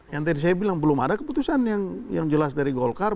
yang tadi saya bilang belum ada keputusan yang jelas dari golkar